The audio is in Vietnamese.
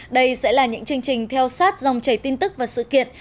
đây sẽ là những chương trình theo sát dòng chảy tin tức và sự kiện